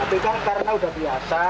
tapi kan karena udah biasa